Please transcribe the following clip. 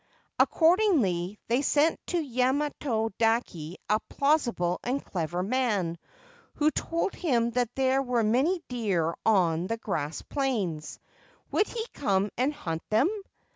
Accordingly, they sent to Yamato dake a plausible and clever man, who told him that there were many deer on the grass plains. Would he come and hunt them